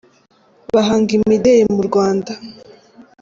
Bahanga imideli mu Rwanda.